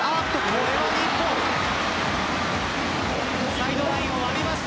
これは日本サイドラインを割りました。